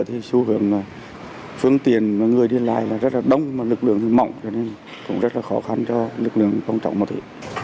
thì xu hướng là phương tiền và người điên lại rất là đông và lực lượng mỏng cho nên cũng rất là khó khăn cho lực lượng công trọng ma túy